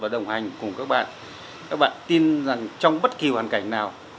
đồng hành cùng các bạn các bạn tin rằng trong bất kỳ hoàn cảnh nào